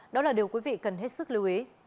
đó là điều quý vị cần hết sức lưu ý